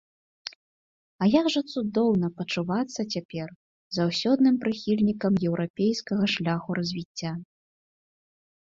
А як жа цудоўна пачувацца цяпер заўсёдным прыхільнікам еўрапейскага шляху развіцця!